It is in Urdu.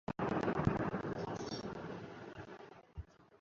سکسیکا